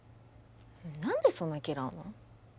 何でそんな嫌うの？